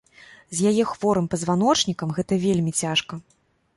З яе хворым пазваночнікам гэта вельмі цяжка.